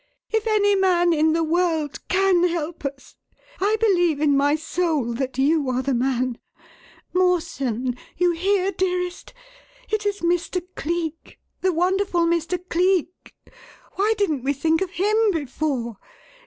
"If any man in the world can help us, I believe in my soul that you are the man. Mawson, you hear, dearest? It is Mr. Cleek. The wonderful Mr. Cleek. Why didn't we think of him before?